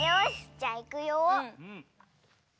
じゃあいくよ！